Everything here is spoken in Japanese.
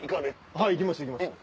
はい行きました行きました。